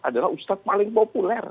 adalah ustadz paling populer